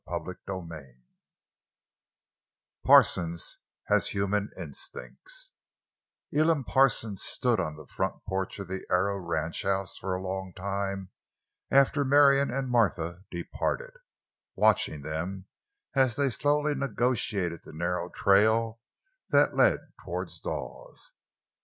CHAPTER XXX—PARSONS HAS HUMAN INSTINCTS Elam Parsons stood on the front porch of the Arrow ranchhouse for a long time after Marion and Martha departed, watching them as they slowly negotiated the narrow trail that led toward Dawes.